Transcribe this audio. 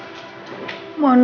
tidak ada yang mau nolong